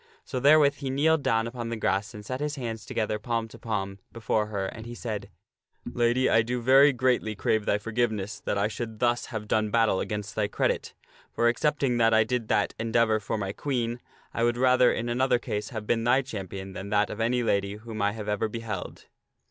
So therewith he kneeled down sirPellias reeis upon the grass and set his hands together palm to palm, the Lady '/ttard before her, and he said :" Lady, I do very greatly crave thy *"*"'*' forgiveness that I should thus have done battle against thy credit. For, excepting that I did that endeavor for my Queen, I would rather, in another case, have been thy champion than that of any lady whom I have ever beheld."